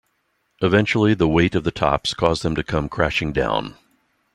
Eventually, the weight of the tops caused them to come crashing down.